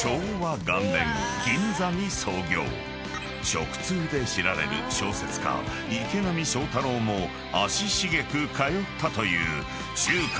［食通で知られる小説家池波正太郎も足しげく通ったという］